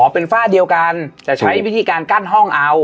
เป็นฝ้าเดียวกันแต่ใช้วิธีการกั้นห้องเอา